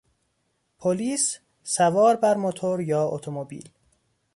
پلیس سوار بر موتور یا اتومبیل